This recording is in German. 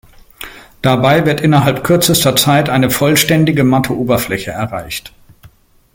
Dabei wird innerhalb kürzester Zeit eine vollständige matte Oberfläche erreicht.